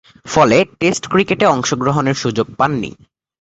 ফলে, টেস্ট ক্রিকেটে অংশগ্রহণের সুযোগ পাননি।